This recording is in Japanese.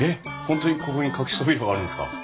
本当にここに隠し扉があるんですか？